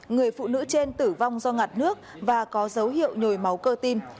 người phụ nữ trên tử vong do ngặt nước và có dấu hiệu nhồi máu cơ tim